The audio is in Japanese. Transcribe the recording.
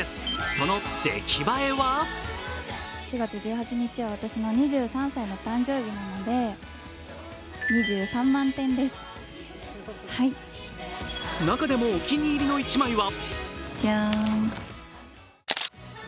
その出来栄えは中でもお気に入りの一枚は。